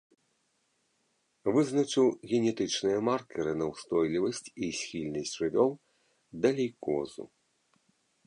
Вызначыў генетычныя маркеры на ўстойлівасць і схільнасць жывёл да лейкозу.